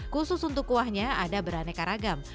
khusus untuk kuahnya ada beraneka ragam